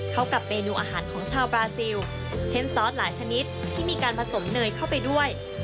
เข้ากับเมนูอาหารของชาวบราซิลเช่นซอสหลายชนิดที่มีการผสมเนยเข้าไปด้วย